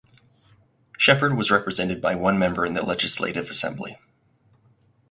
Shefford was represented by one member in the Legislative Assembly.